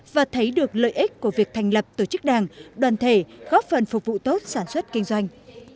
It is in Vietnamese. và thấy được lợi ích của việc thành lập tổ chức đảng đoàn thể góp phần phục vụ tốt sản xuất kinh doanh